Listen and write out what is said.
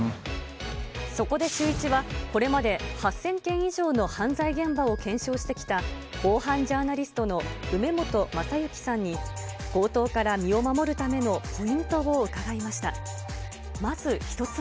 そこでシューイチは、これまで８０００件以上の犯罪現場を検証してきた、防犯ジャーナリストの梅本正行さんに、強盗から身を守るためのポイントを伺いました。